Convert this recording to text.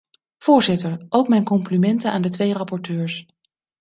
Voorzitter, ook mijn complimenten aan de twee rapporteurs.